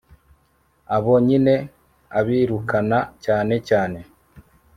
abo nyine abirukana cyane cyane